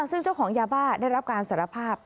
ซึ่งเจ้าของยาบ้าได้รับการสารภาพ